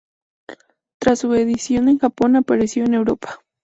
Tras su edición en Japón, apareció en Europa.